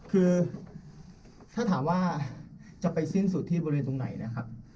คือถ้าถามว่าจะไปสิ้นสุดที่บริเวณตรงไหนนะครับ